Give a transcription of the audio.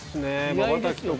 まばたきとか